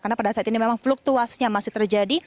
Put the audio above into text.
karena pada saat ini memang fluktuasnya masih terjadi